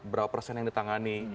berapa persen yang ditangani